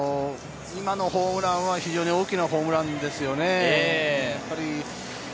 今のホームランは非常に大きなホームランですよね。